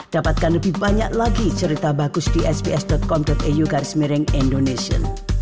dapatkan lebih banyak lagi cerita bagus di sps com eu garis miring indonesia